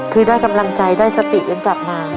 คือได้กำลังใจได้สติกันกลับมา